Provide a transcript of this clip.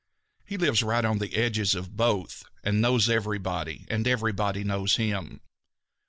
He lives right on the edge of both and knows everybody, and everybody knows him.